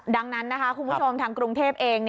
ดังนั้นนะคะคุณผู้ชมทางกรุงเทพเอง